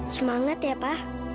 semangat ya papa